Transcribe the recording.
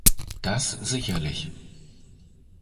Das sicherlich.